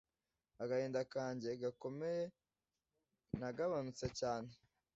Agahinda kanjye gakomeye nagabanutse cyane